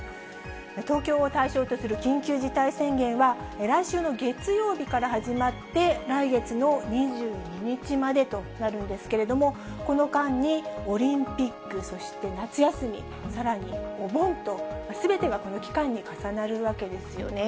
東京を対象とする緊急事態宣言は、来週の月曜日から始まって、来月の２２日までとなるんですけれども、この間に、オリンピック、そして夏休み、さらにお盆と、すべてがこの期間に重なるわけですよね。